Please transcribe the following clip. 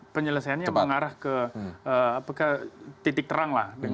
penyelesaiannya mengarah ke titik terang lah